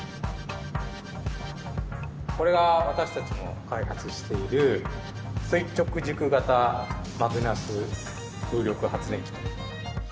これが私たちの開発している、垂直軸型マグナス風力発電機と。